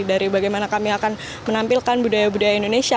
dari bagaimana kami akan menampilkan budaya budaya indonesia